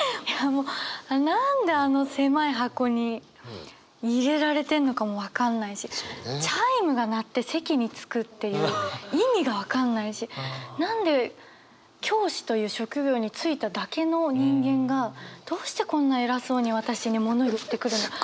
何であの狭い箱に入れられてんのかも分かんないしチャイムが鳴って席に着くっていう意味が分かんないし何で教師という職業に就いただけの人間がどうしてこんな偉そうに私に物言ってくるのか。